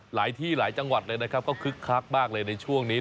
หลายที่หลายจังหวัดเลยนะครับก็คึกคักมากเลยในช่วงนี้